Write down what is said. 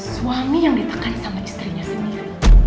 suami yang ditekan sama istrinya sendiri